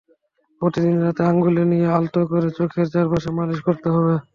প্রতিদিন রাতে আঙুলে নিয়ে আলতো করে চোখের চারপাশে মালিশ করতে হবে।